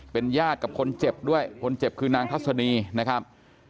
เป็นญาติกับคนเจ็บด้วยคนเจ็บคือนางทัศนีนะครับ